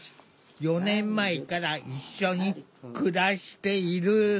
４年前から一緒に暮らしている。